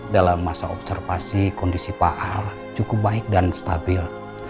dalam masa observasi kondisi paal cukup baik dan stabil